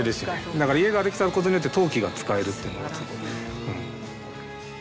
だから家ができたことによって陶器が使えるっていうのが。